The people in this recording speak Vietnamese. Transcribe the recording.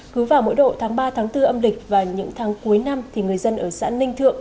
cứ vào mỗi độ tháng ba tháng bốn âm lịch và những tháng cuối năm thì người dân ở xã ninh thượng